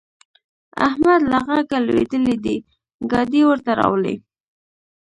احمد له غږه لوېدلی دی؛ ګاډی ورته راولي.